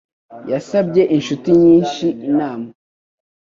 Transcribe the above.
Yasabye inshuti nyinshi inama.